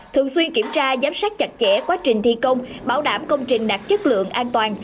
thường xuyên kiểm tra giám sát chặt chẽ quá trình thi công bảo đảm công trình đạt chất lượng an toàn